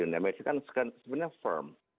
indonesia kan sebenarnya firm